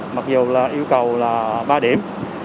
mặc dù là yêu cầu là ba điểm